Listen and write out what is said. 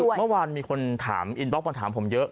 เมื่อวานมีคนถามอินบล็อกมาถามผมเยอะ